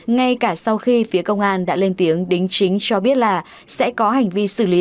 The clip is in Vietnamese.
ngay cả sau khi phía công an đã lên tiếng đính chính cho biết là sẽ có hành vi xử lý